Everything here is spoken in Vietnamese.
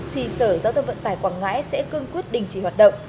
thì sở giao thông vận tải quảng ngãi sẽ cương quyết đình chỉ hoạt động